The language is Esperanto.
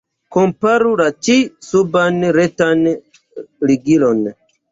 Komparu la ĉi-suban retan ligilon.